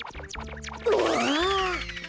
うわ。